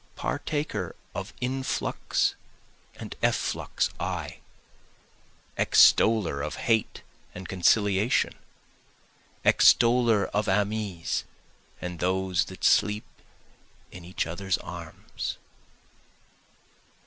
Partaker of influx and efflux I, extoller of hate and conciliation, Extoller of amies and those that sleep in each others' arms.